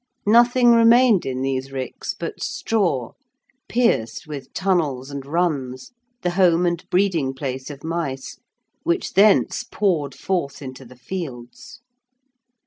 Nothing remained in these ricks but straw, pierced with tunnels and runs, the home and breeding place of mice, which thence poured forth into the fields.